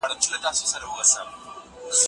کندهار ولايت غرنۍ ولسوالۍ لري